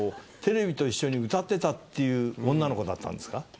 テレビと一緒に歌ってたっていう女の子だったんですか？